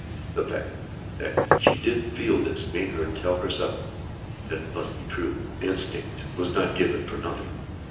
The fact that she did feel this, made her tell herself that it must be true. Instinct was not given for nothing!